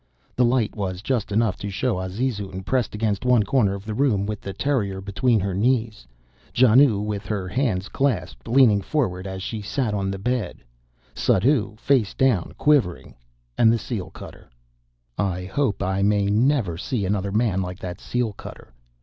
The light was just enough to show Azizun, pressed against one corner of the room with the terrier between her knees; Janoo, with her hands clasped, leaning forward as she sat on the bed; Suddhoo, face down, quivering, and the seal cutter. I hope I may never see another man like that seal cutter.